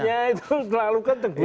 bau duitnya itu terlalu kenceng